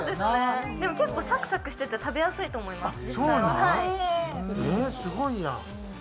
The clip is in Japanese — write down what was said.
でも結構サクサクしてて食べやすいと思います。